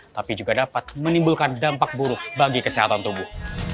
tapi juga dapat menimbulkan dampak buruk bagi kesehatan tubuh